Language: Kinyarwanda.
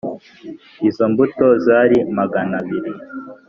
Izo mbuto zari magana abiri